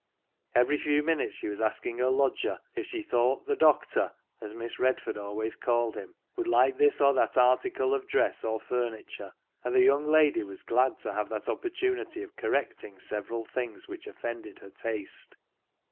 Every few minutes she was asking her lodger if she thought " the doctor," as Miss Redford always called him, would like this or that article of dress or furni ture, and the young lady was glad to have that opportunity of correcting several things which offended her taste.